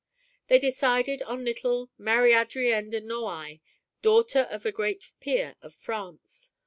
They decided on little Marie Adrienne de Noailles, daughter of a great peer of France.